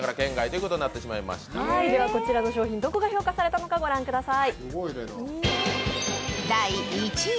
こちらの商品、どこが評価されたのかこちらを御覧ください。